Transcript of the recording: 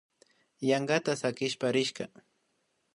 Yankata sakishpa rishka